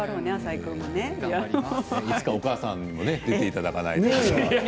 いつかお母さんも出ていただかないとね。